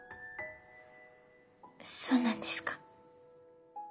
そうなんですか？